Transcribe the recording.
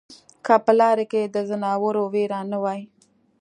که په لاره کې د ځناورو وېره نه وای